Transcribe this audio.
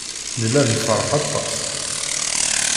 Nella nefṛeḥ aṭas.